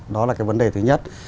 đó là vấn đề thứ nhất